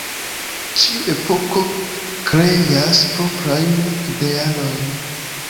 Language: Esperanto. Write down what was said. Ĉiu epoko kreas proprajn idealojn.